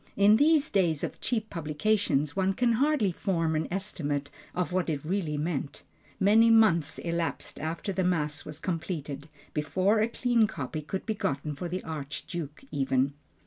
In these days of cheap publications, one can hardly form an estimate of what it really meant. Many months elapsed after the Mass was completed, before a clean copy could be gotten for the Archduke even.